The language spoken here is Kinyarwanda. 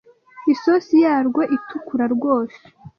isosi yarwo itukura rwose